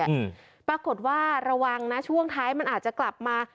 อืมปรากฏว่าระวังนะช่วงท้ายมันอาจจะกลับมา